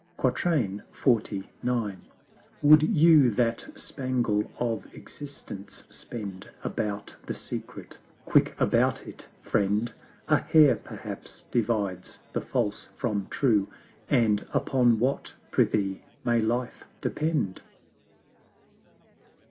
XLIX. Would you that spangle of Existence spend About THE SECRET quick about it, Friend! A Hair perhaps divides the False from True And upon what, prithee, may life depend?